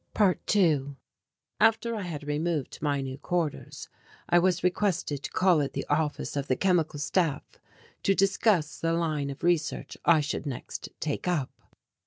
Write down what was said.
~2~ After I had removed to my new quarters I was requested to call at the office of the Chemical Staff to discuss the line of research I should next take up.